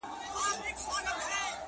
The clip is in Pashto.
له زلمیو خوښي ورکه له مستیو دي لوېدلي٫